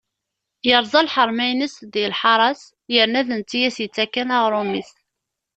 Yeṛẓa lḥerma-ines deg lḥara-s yerna d netta i as-yettakken aɣṛum-is.